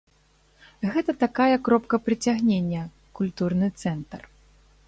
Гэта такая кропка прыцягнення, культурны цэнтр.